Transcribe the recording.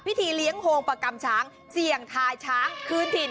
เลี้ยงโฮงประกำช้างเสี่ยงทายช้างคืนถิ่น